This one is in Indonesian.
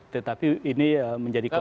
tetapi ini menjadi konsumen